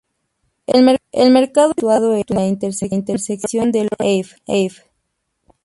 El mercado está situado en la intersección de Lorain Ave.